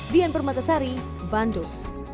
dian permatasari bandung